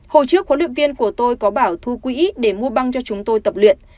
hồi trước huấn luyện viên của tôi có bảo thu quỹ để mua băng cho chúng tôi tập luyện